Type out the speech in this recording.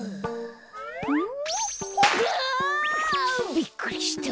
びっくりした。